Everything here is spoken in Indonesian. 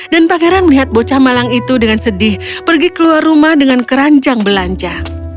dan pangeran melihat bocah malang itu dengan sedih pergi keluar rumah dengan keranjang belanja